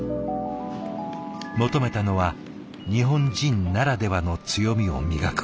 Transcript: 求めたのは日本人ならではの強みを磨くこと。